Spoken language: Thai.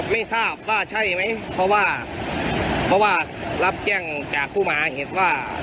ไม่ทราบว่าใช่ไหมเพราะว่าเพราะว่ารับแจ้งจากผู้มหาเหตุว่า